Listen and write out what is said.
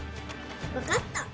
わかった！